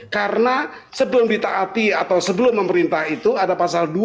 karena sebelum ditaati atau sebelum memerintah itu ada pasal dua